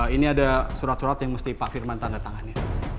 ini ada surat surat yang mesti pak firman tanda tangani